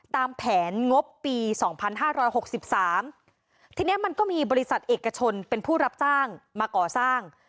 ตามแผนงบปีสองพันห้าร้อยหกสิบสามทีนี้มันก็มีบริษัทเอกชนเป็นผู้รับสร้างมาก่อสร้าง